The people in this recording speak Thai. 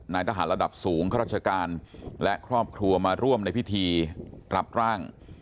ทหารระดับสูงข้าราชการและครอบครัวมาร่วมในพิธีรับร่าง